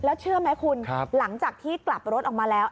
แล้วเชื่อไหมคุณหลังจากที่กลับรถออกมาแล้ว